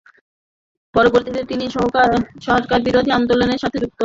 পরবর্তীতে তিনি সরকারবিরোধী আন্দোলনের সাথে যুক্ত হন।